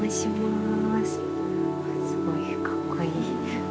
すごいかっこいい。